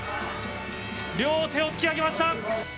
両手を突き上げました。